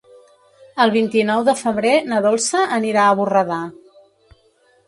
El vint-i-nou de febrer na Dolça anirà a Borredà.